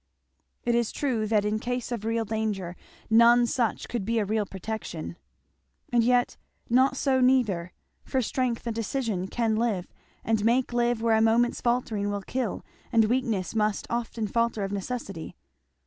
It is true that in case of real danger none such could be a real protection, and yet not so neither, for strength and decision can live and make live where a moment's faltering will kill, and weakness must often falter of necessity.